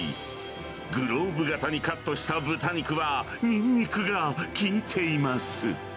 グローブ型にカットした豚肉は、ニンニクが効いています。